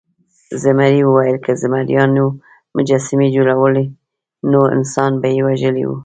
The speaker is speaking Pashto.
زمري وویل که زمریانو مجسمې جوړولی نو انسان به یې وژلی و.